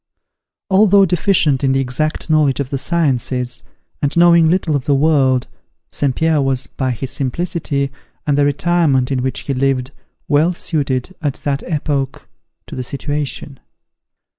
Although deficient in the exact knowledge of the sciences, and knowing little of the world, St. Pierre was, by his simplicity, and the retirement in which he lived, well suited, at that epoch, to the situation.